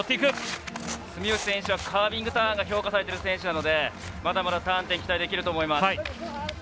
住吉選手はカービングターンが評価されている選手なのでまだまだターン点期待できると思います。